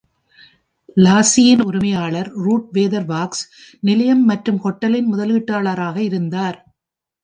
லாஸ்ஸியின் உரிமையாளர் Rudd Weatherwax, நிலையம் மற்றும் ஹோட்டலின் முதலீட்டாளராக இருந்தார்.